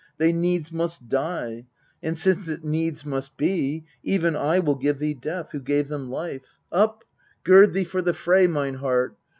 They needs must (lit : and, since it needs must be, Kveu 1 will give them death, who gave them life. MEDEA 283 Up, gird thee for the fray, mine heart